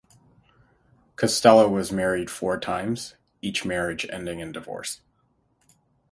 Costello was married four times, each marriage ending in divorce.